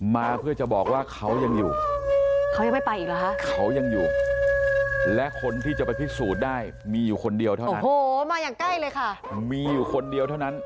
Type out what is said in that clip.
มาเพื่อจะบอกว่าเขายังอยู่เขายังไม่ไปอีกเหรอคะเขายังอยู่และคนที่จะไปพิสูจน์ได้มีอยู่คนเดียวเท่านั้นโอ้โหมาอย่างใกล้เลยค่ะมีอยู่คนเดียวเท่านั้น